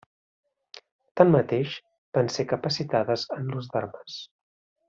Tanmateix, van ser capacitades en l'ús d'armes.